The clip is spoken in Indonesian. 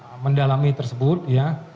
ya kita masih mendalami tersebut ya